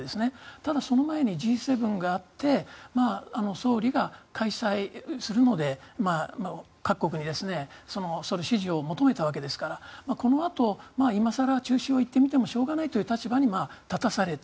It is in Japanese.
ただ、その前にＧ７があって総理が開催するので各国にその支持を求めたわけですからこのあと今更中止を言ってみてもしょうがないという立場に立たされた。